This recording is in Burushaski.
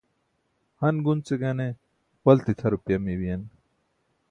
han gunce gane walti tʰa rupaya mey biyen.